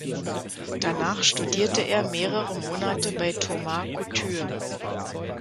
Danach studierte er mehrere Monate bei Thomas Couture.